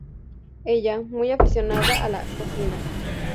Ella, muy aficionada a la cocina.